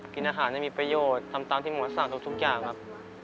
กินอาหารให้มีประโยชน์ทำตามที่หมอสั่งทุกอย่างครับ